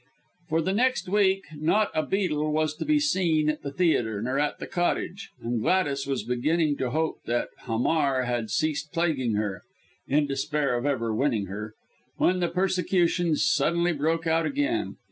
For the next week not a beetle was to be seen at the theatre nor at the Cottage; and Gladys was beginning to hope that Hamar had ceased plaguing her (in despair of ever winning her), when the persecutions suddenly broke out again.